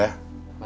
oh apa tidak